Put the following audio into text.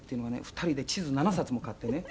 ２人で地図７冊も買ってね